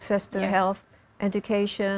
di sistem kegembiraan